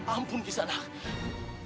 ampun kisah nak